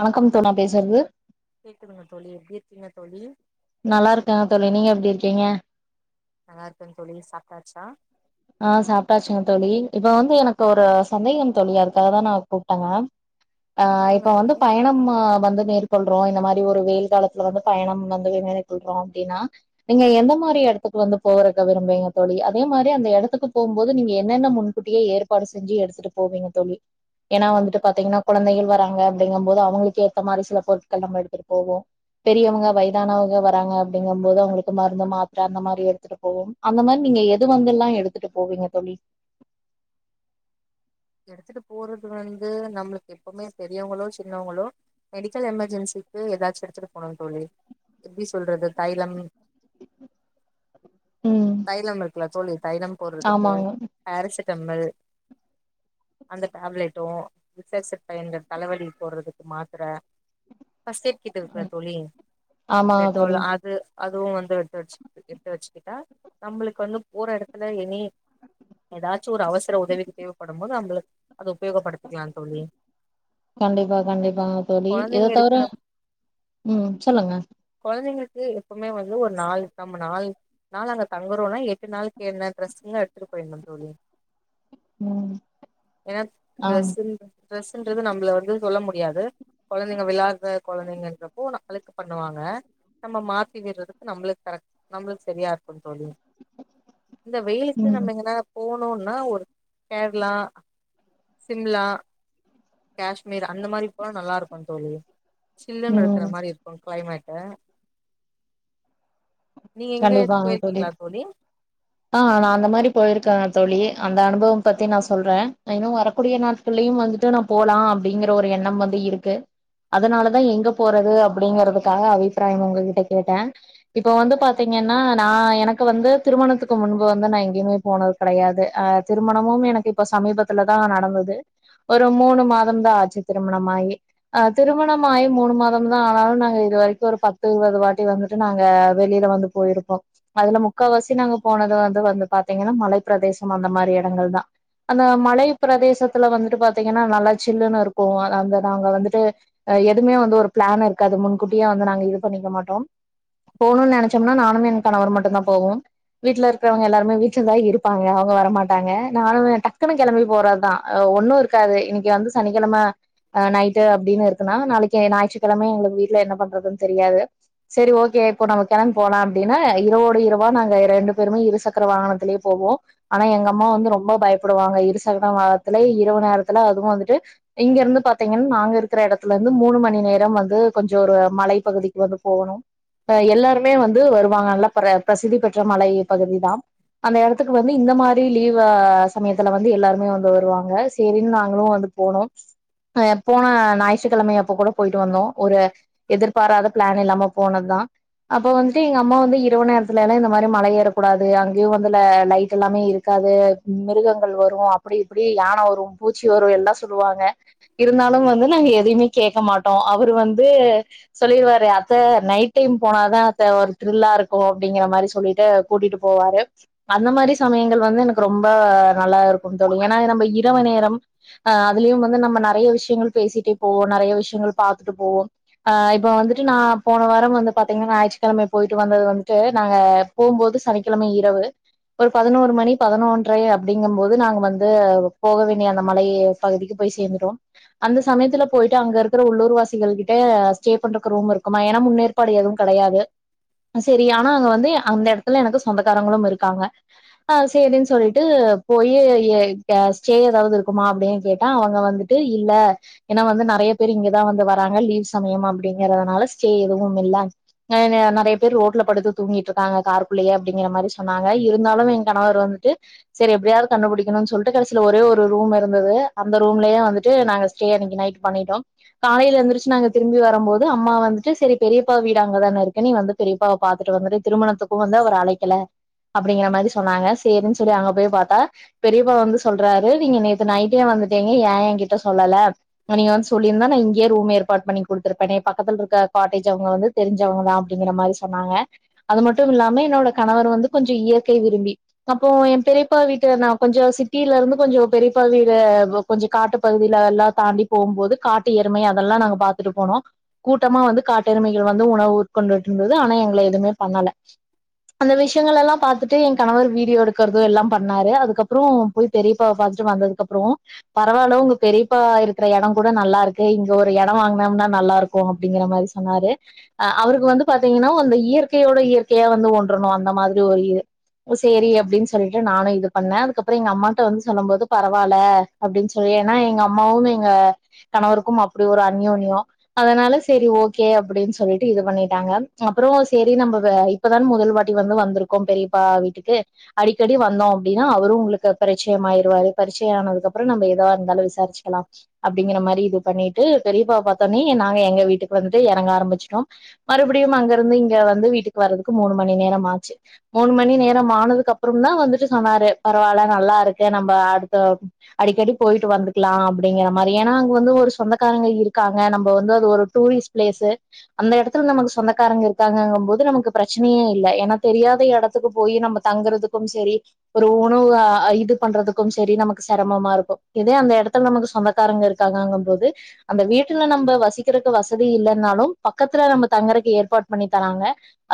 வணக்கம்தோ நா பேசுறது கேக்குதுங்க தோழி எப்டி இருக்கீங்க தோழி ஏங்க நல்லா இருக்கே தோழி சாப்ட்டாச்சா ஆ சாப்ட்டாச்சுங்க தோழி இப்ப வந்து எனக்கு ஒரு சந்தேகம் தோழி அதுக்காகதா நா கூப்ட்டேங்க ஆ சொல்லுங்க இப்ப வந்து தோழி பயணம் ஆ வந்து மேற்கொள்றோ இந்த மாரி ஒரு வெயில் காலத்துல வந்து பயணம் வந்து மேற்கொள்றோ அப்டின்னா நீங்க எந்த மாரி எடுத்துட்டு வந்து போகறதுக்கு விரும்புவேங்க தோழி அதே மாரி அந்த இடத் துக்கு போம்போது நீங்க என்னென்ன முன்கூட்டியே ஏற்பாடு செஞ்சி எடுத்துட்டு போவீங்க தோழி ஏன்னா வந்துட்டு பாத்தீங்கன்னா குழந்தைகள் வர்றாங்க அப்டிங்கும் போது அவுங்களுக்கு ஏத்த மாரி சில பொருட்கள் நம்ம எடுத்துட்டு போவோ பெரியவங்க வயதானவங்க வர்றாங்க அப்டிங்கும் போது அவுங்களுக்கு மருந்து மாத்ர அந்த மாரி எடுத்துட்டு போவோம் அந்த மாரி நீங் க எது வந்தெல்லா எடுத்துட்டு போவீங்க தோழி எடுத்துட்டு போறது வந்து நம்மளுக்கு எப்பவுமே பெரியவங்களோ சின்னவங்களோ மெடிக்கல் எமெர்ஜென்சிக்கு ஏதாச்சு எடுத்துட்டு போணு தோழி எப்டி சொல்றது தைலம் ம் தைலம் இருக்குல்ல தோழி தைலம் போடுறதுக்கு ஆமாங்க பேராசிட்டமல் அந்த tablet Vicks Action five hundred தலவலிக்கு போடுறதுக்கு மாத்ர ஃபர்ஸ்ட் எய்ட் கிட் இருக்குல்ல தோழி ஆமா டெட்டால் தோழி அது அதுவு வந்து எடுத்து வச்சி எடுத்து வச்சசிகிட்டா நம்மளுக்கு வந்து போற எடத்துல எனி ஏதாச்சு ஒரு அவசர உதவிக்கு தேவப்படும்போது நம்மளுக்கு அது உபயோகப்படுத்திக்கிலா தோழி கண்டிப்பா கண்டிப்பாங்க தோழி கொழந்தைங்க இத இருக்கிற தவர ம் சொல்லுங்க இது எப்பவுமே வந்து ஒரு நாள் டம் நாள் நாள் அங்க தங்குறோன்னா எட்டு நாளுக்கு என்ன டிரஸ்ஸுங்க எடுத்துட்டு போய்டணு தோழி ம் என்ன ஆ டிரெஸ்ன் ட்ரெஸ்ன்றது நம்பள வந்து சொல்ல முடியாது கொழந்தைங்க விளாட்ற கொழந்தைங்கன்றப்போ அழுக்கு பண்ணுவாங்க நம்ம மாத்தி விடுறதுக்கு நம்மளுக்கு கரெக்ட் நம்மளுக்கு சரியா இருக்கு தோழி இந்த வெயிலுக்கு ம் நம்ம எங்கன்னா போனுன்னா ஒரு கேரளா சிம்லா கேஷ்மீர் அந்த மாரி போனா நல்லா இருக்கு தோழி சில்லுன்னு இருக்கிற ம் மாரி இருக்கு கிளைமேட்டு நீங்க எங்க கண்டிப்பாங்க போயிருக்கீங்களா தோழி ஆ நா அந்த மாரி பொயிருக் கே தோழி அந்த அனுபவம் பத்தி நா சொல்றே இன்னு வரக்கூடிய நாட்களயு வந்துட்டு நா போலா அப்டி ங்கிற ஒரு எண்ணம் வந்து இருக்கு அதனாலதா எங்க போறது அப்டிங்கறதுக்காக அபிப்பிராயம் உங்ககிட்ட கேட்டே இப்ப வந்து பா த்தீங்கன்னா நா எனக்கு வந்து திருமணத்துக்கு முன்பு வந்து நா எங்கேயுமே போனது கெடையாது திருமணமும் எனக்கு இப்ப சமீபத்துல தா நடந்தது ஒரு மூனு மாதம் தா ஆச்சி திருமணமாயி அ திருமணமாயி மூனு மாதம் தா ஆனாலு நாங்க இதுவரைக்கு ஒரு பத்து இருவது வாட்டி வந்துட்டு நாங்க வெளியில வந்து பொயிருப்போ அதுல முக்கா வாசி நாங்க போனது வந்து வந்து பாத்தீங்கன்னா மலை பிரதேசம் அந்த மாரி எடங்கள் தா அந்த மலை பிரதேசத்துல வந்துட்டு பாத்தீங்கன்னா நல்லா சில்லுன்னு இருக்கு அங்க நாங்க வந்துட்டு எதுமே வந்து ஒரு பிளான் இருக்காது முன்கூட்டியே வந்து நாங்க இது பண்ணிக்க மாட்டோம் போணுனு நென ச்சமனா நானும் என கணவர் மட்டும் தா போவோம் வீட்டுல இருக்கிறவங்க எல்லாருமே வீட்லதா இருப்பாங்க அவங்க வரமாட்டாங்க நானு டக்குனு கெளம்பி போறதுதா ஒன்னு இருக்காது இன்னிக்கு வந்து சனிக்கெழம அ நைட்டு அப்டின்னு இருக்குன்னா நாளைக்கு ஞாயிற்றுக்கிழமை எங்ளுக்கு வீட்ல என்ன பண்றதுன் தெரியாது செரி ஓகே இப்போ நம்ப கெளம்பி போலா அப்டின்னா இருரவோடு இரவா நாங்க ரெண்டு பேருமே இருசக்கர வாகனத்துலயே போவோ ஆனா எங்க அம்மா வந்து ரொம்ப பயப்படுவாங்க இருசக்கர வாகனத்துல இரவு நேரத்துல அதுவு வந்துட்டு இங்க இருந்து பாத்தீங்கன்னா நாங்க இருக்கிற எடத்துல இருந்து மூனு மணி நேரம் வந்து கொஞ்சோ ஒரு மலைப்பகுதிக்கு வந்து போகணு எல்லா ருமே வந்து வருவாங்க நல்லா பிரசித்தி பெற்ற மலை பகுதிதா அந்த எடத்துக்கு வந்து இந்த மாரி லீவ சமயத்துல வந்து எல்லாருமே வந்து வருவாங்க சேரின்னு நாங்களு வந்து போனோம் அ போன ஞாயிற்றுக்கிழமை அப்ப கூட பொயிட்டு வந்தோ ஒரு எதிர்பாராத பிளான் இல்லாம போனதுதா அப்போ வந்துட்டு எங்க அம்மா வந்து இரவு நேரத்துலலா இந்த மாரி மல ஏறக்கூடாது அங்கயு வந்து ல லைட் எல்லாமே இருக்காது மிருகங்கள் வரு அப்டி இப்டி யான வரு பூச்சி வரு எல்லா சொல்லுவாங்க இருந்தாலும் வந்து நாங்க எதையுமே கேக்க மாட்டோ அவுரு வந்து சொல்லிருவாரு அத்த நைட் டைம் போனா தா அத்த ஒரு த்ரில்லா இருக்கு அப்டிங்கிற மாரி சொல்லிட்டு கூட்டிட்டு போவாரு அந்த மாரி சமயங்கள் வந்து எனக்கு ரொம்ப நல்லா இருக்கும் தோழி ஏனா நம்ப இரவு நேரம் அதுலியும் வந்து நம்ப நெறைய விஷயங்கள் பேசிட்டே போவோ நெறைய விஷயங்கள் பாத்துட்டு போவோம் இப்ப வந்துட்டு நா போன வாரம் வந்து பாத் ப்த்தீங்கன்னா ஞாயிற்றுக்கிழமை பொயிட்டு வந்தது வந்துட்டு நாங்க போம்போது சனிக்கிழமை இரவு ஒரு பதனோரு மணி பதனொன்றை அப்டிங்கும் போது நாங்க வந்து போக வேண்டிய அந்த மலை பகுதிக்கு போய் சேந்துட்டோ அந்த சமயத்துல பொயிட்டு அங்க இருக்குற உள்ளூர்வாசிகள் கிட்ட ஸ்டே பண்றக்கு ரூம் இருக்குமா ஏனா முன்னேற்பாடு எதுவு கெடையாது செரி ஆனா அங்க வந்து அந்த எடத்துல எனக்கு சொந்தக்காரங்களும் இருக்காங்க ஆ சேரின் சொல்ட்டு போயி ஸ்டே எதாவது இருக்குமா அப்டின்னு கேட்டா அவங்க வந்துட்டு இல்ல ஏனா வந்து நெறையா பேர் இங்கதா வந்து வராங்க லீவ் சமயம் அப்டிங்கறதுனால ஸ்டே எதுவும் இல்ல நெறையா பேரு ரோட்ல படுத்து தூங்கிட்ருக்காங்க காரு குள்ளயே அப்டிங்கிற மாரி சொன்னாங்க இருந்தாலும் ஏ கணவர் வந்துட்டு சரி எப்டியாவது கண்டுபுடிக்கணுன் சொல்ட்டு கடைசில ஒரே ஒரு ரூம் இருந்தது அந்த ரூம்லயே வந்துட்டு நாங்க ஸ்டே அன்னைக்கு நைட் பண்ணிட்டோம் காலைல எந்துருந்துச்சி நாங்க திரும்பி வரம்போது அம்மா வந்துட்டு செரி பெரியப்பா வீ டு அங்கதானே இருக்க நீ வந்து பெரியப்பாவ பாத்துட்டு வந்துரு திருமணத்துக்கும் வந்து அவர அழைக்கல அப்டிங்கிற மாரி சொன்னாங்க சேரின்னு சொல்லி அங்க போய் பாத்தா பெரியப்பா வந்து சொல்றாரு நீங்க நேத்து நைட்டே வந்துட்டீங்க ஏ ஏகிட்ட சொல்லல நீங்க வந்து சொல்லிருந்தா நா இங்கே ரூம் ஏற்பாடு பண்ணி குடுத்துருப்பனே பக்கத்துல இருக்க காட்டேஜ் அவங்க வந்து தெரிஞ்சவங்க தா அப்டிங்கற மாரி சொன்னாங்க அது மட்டும் இல்லாமே என்னோட கணவர் வந்து கொஞ்சோ இயற்கை விரும்பி அப்போ ஏ பெரியப்பா வீட்டு நா கொஞ்சோ சிட்டில இருந்து கொஞ்சோ பெரியப்பா வீடு கொஞ்சோ காட்டு பகுதியில எல்லா தாண்டி போம்போது காட்டு எருமை அதெல்லா நாங்க பாத்துட்டு போனோ கூட்டமா வந்து காட்டு எருமை வந்து உணவு உ்கொண்டுட்ருந்தது ஆனா எங்கள எதுமே பண்ணல அந்த விஷயங்கள்லலா பாத்துட்டு ஏ கணவர் வீடியோ எடுக்கறது எல்லா பண்ணாரு அதுக்கப்றோ போய் பெரியப்பா பாத் துட்டு வந்ததுக்கு அப்றோ பரவால ஒங்க பெரியப்பா இருக்ற எடோ கூட நல்லா இருக்கு இங்க ஒரு எடம் வாங்னோம்னா நல்லாருக்கு அப்டிங்கற மாரி சொன்னாரு அ அவருக்கு வந்து பாத்தீங்ன்னா அந்த இயற்கையோட இயற்கையா வந்து ஒன்றனு அந்த மாதிரி ஒரு இது சேரி அப்டின் சொல்ட்டு நானு இது பண்ணெ அதுக்கப்றொ எங்க அம்மாட்ட வந்து சொல்லும் போதும் பரவால்ல அப்டின் சொல்லி ஏனா எங்க அம்மாவு எங்க கணவருக்கும் அப்டி ஒரு அந்நூன்யோ அதனால செரி ஓகே அப்டின் சொ சொல்லிட்டு இது பண்ணிட்டாங்க அப்பறோ செரி நம்ம வ இப்பதான் முதல் வாட்டி வந்து வந்திருக்கோம் பெரியப்பா வீட்டுக்கு அடிக்கடி வந்தோ அப்டினா அவரு உங்ளுக்கு பரிச்சயமாயிருவாரு பரிச்சயோ ஆனதுகப்றோ நம்ம எதா இருந்தாலு விச சாருசுக்கலா அப்டிங்ற மாரி இது பண்ணிட்டு பெரியப்பா பாத்தோட்னே நாங்க எங்க வீட்டுக்கு வந்துட்டு எறங்க ஆரம்பிச்சு டோம் மறுபடியு அங்க இருந்து இங்க வந்து வீட்டுக்கு வர்றதுக்கு மூணு மணி நேரம் ஆச்சு மூணு மணி நேரமா மானதுக்கு அப்புறம் தா வந்துட்டு சொன்னாரு பரவால்ல நல்லா இருக்கு நம்ப அடுத்த அடிக்கடி போய்ட்டு வந்துக்லா அப்டிங்கிற மாரி ஏனா அங்க வந்து ஒரு சொந்தகாரங்க இருகாங்க நம்ப வந்து அது ஒரு டூரிஸ்ட் பிளேஸூ அந்த எடத்துல நமக்கு சொந்தகாரங்க இருக்காங்கும் போது நமக்கு பிரச்சனையே இல்ல ஏனா தெரியாத எடத்துக்கு போய் நம்ம த தங்குறத்துக்கும் செரி ஒரு உணவு அ இது பண்றதுக்கும் செரி நமக்கு செரமமா இருக்கு இதே அந்த எடத்த நமக்கு சொந்தகாரங்க இருக்காங்கும் போது அந்த வீட்டுல நம்ப வசிக்கிறதுக்கு வசதி இல்லன்னாலும் பக்கத்துல நம்ம தங்குறதுக்கு ஏற்பாடு பண்ணி தராங்க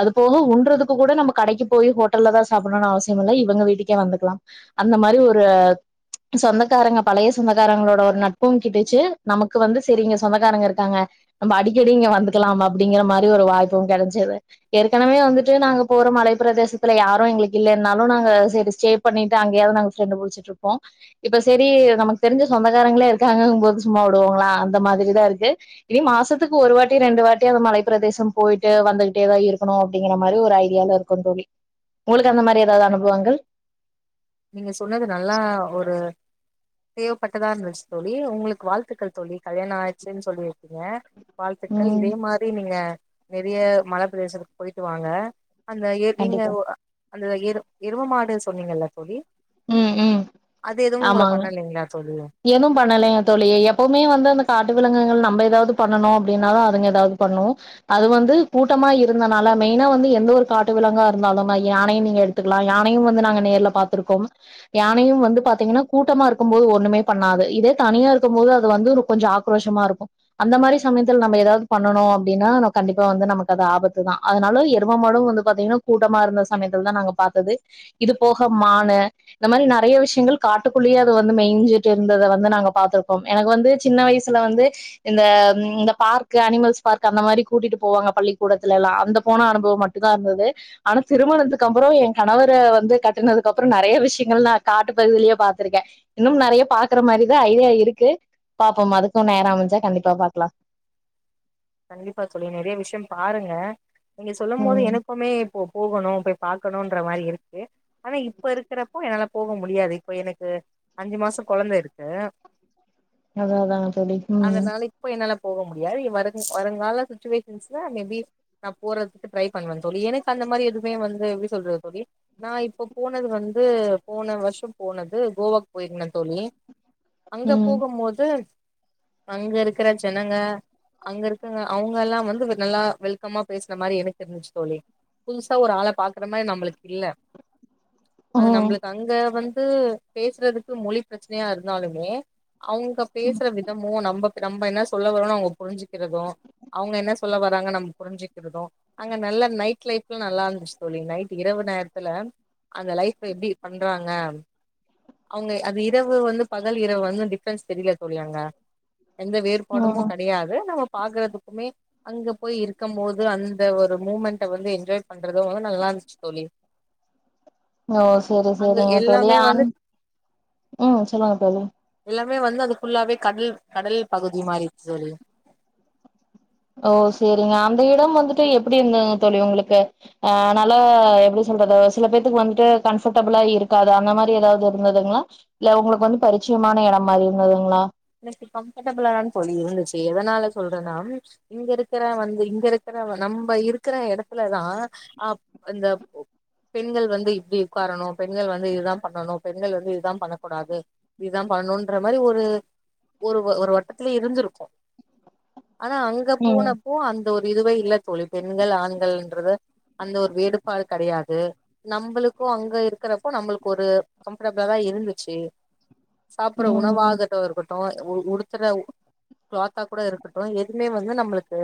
அது போக உண்றதுக்கு கூட நம்ம கடைக்கு போய் ஹோட்டல்ல தா சா சாப்டணுனு அவசியம் இல்லை இவங்க வீட்டுக்கே வந்துக்லா அந்த மாரி ஒரு சொந்தகாரங்க பழைய சொந்தகாரங்ளோட ஒரு நட்பும் கிட்டுச்சு நமக்கு வந்து செரிங்க சொந்தகாரங்க இருகாங்க நம்ம அடிக்கடிங்க வந்து வந்துக்லாம் அப்டிங்கிற மாரி ஒரு வாய்ப்பும் கெடச்சது ஏற்கனவே வந்துட்டு நாங்க போற மலைப்பிரதேசத்துல யாரு எங்ளுக்கு இல்லனாலு நாங்க செரி ஸ்டே பண்ணிட்டு அங்கேயாவது நாங்க ட்ரிப் முடுச்சுட்ருப்போ இப்ப செரி நமக்கு தெருஞ் ருஞ்ச சொந்தகாரங்ளே இருக்காங்கங்கும் போது சும்மா விடுவோங்களா அந்த மாதிரி தா இருக்கு இனி மாசத்துக்கு ஒரு வாட் டி ரெண்டு வாட்டி அது மலைப்பிரதேசம் போயிட்டு வந்துகிட்டேதா இருக்கனு அப்டிங்கிற மா மாரி ஒரு ஐடியால இருக்கோ தோழி உங்களுக்கு அந்த மாரி எதாவது அனுபவங்கள் நீங்க சொன்னது நல்லா ஒரு தேவபட்டதா இருந்துச்சு தோழி உங்களுக்கு வாழ்த்துக்கள் தோழி கல்யாண ஆய்டுச்சுன் சொல்லிருகீங்க வாழ்த்துக்கள் ம் இதே மாரி நீங்க நெறைய மலபிரதேசத்துக்கு போய்ட்டு வாங்க அந்த ஏர் நீங்க கண்டிப்பா ஓ அ அந்த எரு எருமமாடு சொன்னீங்கல்ல தோழி ம் ம் அது எதுவும் ஒங்கள பண்ணலைங்ளா தோழி ஏதூ பண்ணலைங் தோழி எப்பவுமே வந்து அந்த காட்டு விலங்குகள் நம்ம எதாவது பண்ணணு அப்டின்னாலு அதுங்க எதாவது பண்ணு உம் அது வந்து கூட்டமா இருந்தனால மெயினா வந்து எந்த ஒரு காட்டு விலங்கா இருந்தாலும்னா யானையும் நீங்க எடுத்து [unintelligible] ல்லா யானையு வந்து நாங்க நேர்ல பாத்துருக்கோம் யானையு வந்து பாத்தீங்கனா கூட்டமா இருக்கும் போது ஒண்ணுமே பண்ணாது இதே தனியா இருக்கும் போது அது வந்து கொஞ்சொ ஆக்ரோஷமா இருக்கு அந்த மாரி சமயத்தில் நம்ம எதாவது பண்ணனு அப்டின்னா கண்டிப்பா வந்து நமக்கு அது ஆபத்து தா அதுனால எரும மாடும் வந்து பாத்தீங்கனா கூட்டமா இருந்த சமயத்தில் தா நாங்க இப்ப பாத்தது இது போக மானு இந்த மாரி நெறைய விஷ்யங்கள் காட்டுகுள்ளேயே அது வந்து மெய்ஞ்சு இருந்தத வந்து நாங்க பாத்துருக்கோ எனக்கு வந்து சின்ன வயசுல வந்து இந்த பார்க்கு அனிமல்ஸ் பார்க் அந்த மாரி கூட்டிட்டு போவாங்க பள்ளிக்கூடத்துல எல்லா அங்க போன அனுபவம் மட்டு தா இருந்தது ஆனா திருமணத்துக்கு அப்பறோ ஏ கணவர வந்து கட்டினதுக்கு அப்றோ நெறைய விஷ்யங்கள் நா காட்டு பகுதியிலயே பாத்துருக்கே இன்னும் நெறைய பாக்குற மாரிதா ஐடியா இருக்கு பாப்போம் அதுக்கும் நேர அமஞ்சா கண்டிப்பா பாக்லா கண்டிப்பா தோழி நெறைய விஷ்யோம் பாருங்க நீங்க சொல்லும் போது ம் எனக்குமே இப்போ போகணு இப்ப பாக்கனுன்ற மாரி இருக்கு ஆனா இப்ப இருக்றப்போ என்னால போக முடியாது இப்ப எனக்கு அஞ்சு மாச கொழந்த இருக்கு அதான் அதாங்க தோழி ம் அதனால இப்ப என்னால போவ முடியாது இ வரு வருங்கால சுச்சுவேஷன்சு மேபி நா போறதுக்கு ட்ரை பண்ணுவே தோழி எனக்கு அந்த மாரி எதுவுமே வந்து எப்டி சொல்றது தோழி நா இப்போ போனது வந்து போன வர்ஷோ போனது கோவாக்கு போயிருந்த தோழி ஏ அங்க ம் போகும்போது அங்க இருக்ற ஜனங்க அங்க இருக்கங்க அவுங்கலா வந்து நல்லா வெல்கமா பேசுன மாரி எனக்கு இருந்துச்சு தோழி புதுசா ஒரு ஆள பாக்குர மாரி நம்ளுக்கு இல்ல ஓ அது நம்ளுக்கு அங்க வந்து பேசுறதுக்கு மொழி பிரச்சனையா இருந்தாலுமே அவுங்க பேசுற விதமோ நம்ப நம்ப என்ன சொல்ல வரோனு அவங்க புருஞ்சு குறது அவுங்க என்ன சொல்லவறாங்க நம்ளுக்கு புருஞ்சுக்கிறது அங்க நல்லா நைட் லைஃப்ல நல்லா இருந்துச்சு தோழி நைட் இரவு நேரத்துல அந்த லைஃப் எப்டி பண்றாங்க அவுங்க அது இரவு வந்து பகல் இரவு வந்து டிஃப்ரென்ஸ் தெரியல தோழி அங்க எந்த ஓ வேறுபாடுமு கெடையாது நம்ம பாக்கரதுக்குமே அங்க போய் இருக்கம் மோது அந்த ஒரு மூமெண்ட்ட வந்து என்ஜாய் பண்ரது நல்லா ச்சு தோலி ஓ செரி செரிங்க தோழி ஆ வந்து உம் சொல்லுங்க தோழி ம வந்து அதுஃபுள்ளாவே கடல் கடல் பகுதி மாறிருக்கு தோழி ஓ செரிங்க அந்த இடம் வந்துட்டு எப்படி இருந்ததுங்க தோழி உங்களுக்கு அ நல்லா எப்படி சோ து சில பேத்துக்கு வந்துட்டு கம்பர்ட்டபுளா இருக்காது அந்த மாரி ஏதாது இருந்ததுங்களா இல்ல உங்களுக்கு வந்து பரீசு யமான எடமான இருந்ததுங்களா எனக்கு கம்பர்டபிளாதாங் தோழி இருந்துச்சு எதனால சொல்றன்னா இங்க இருக்குற வந்து இங்க இருக்குற நம்ப இருக்குற எடத்துலதா அ இந்த பெண்கள் வந்து இப்படி உட்காரணும் பெண்கள் வந்து இதுதா பண்ணணும் பெண்கள் வந்து இதுதா பண்ணக்கூடாது இதுதா பண்ணுன்ற மாரி ஒரு ஒரு ஒரு வட்டத்துலயே இருந்திருக்கு ஆனா அங்க ம் போனப்போ அந் த ஒரு இதுவே இல்ல தோழி பெண்கள் ஆண்கள்ன்றத அந்த ஒரு வேறுபாடு கெடையாது நம்பளு துகு அங்க இருக்குறப்போ நம்மளுக்கு ஒரு கம்பர்டபிளா தா இருந்துச்சு சாப்புற ம் உணவாகட்டு இருகட் டு உடுத்துர கிளாத்தா கூட இருக்கட்டு எதுவுமே வந்து நம்மளுக்கு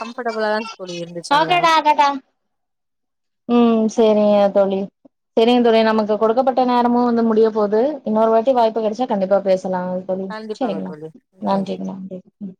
கம்பர்டபிளாதா தோழி இருந்துச்சு அங்க உம் செரிங்க தோழி செரிங்க தோழி நமக்கு கொடுக்கப்பட்ட நேரமும் வந்து முடிய போது இன்னொரு வாட்டி வாய்ப்பு கடச்சா கண்டிப்பா பேசு சலா தோழி கண்டிப்பாக சரிங்களா தோழி நன்றிங் நன்றி ம்